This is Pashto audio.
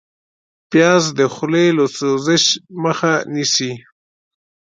پیاز د خولې له سوزش مخه نیسي